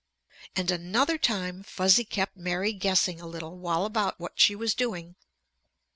And another time Fuzzy kept Mary guessing a little while about what she was doing.